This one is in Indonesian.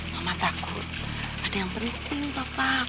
mama takut ada yang penting bapak